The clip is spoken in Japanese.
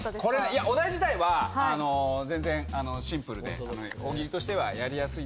いやお題自体は全然シンプルで大喜利としてはやりやすいんですけど